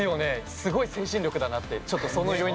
すごい精神力だなって。